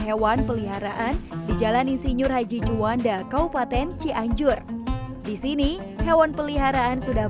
hewan peliharaan di jalan insinyur haji juanda kaupaten cianjur disini hewan peliharaan sudah